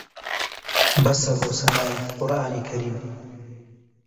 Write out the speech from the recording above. بەسە بۆ سەنای قورئانی کەریم